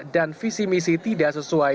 dan visi misi tidak sesuai